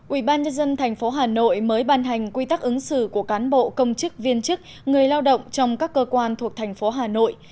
ubnd tp hà nội mới ban hành quy tắc ứng xử của cán bộ công chức viên chức người lao động trong các cơ quan thuộc thành phố hà nội